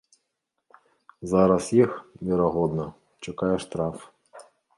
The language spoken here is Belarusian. Зараз іх, верагодна, чакае штраф.